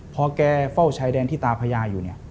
พอแกเฝ้าชายแดนที่ตาพญาอยู่เนี่ย